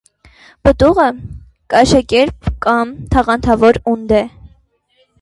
Պտուղը կաշեկերպ կամ թաղանթավոր ունդ է։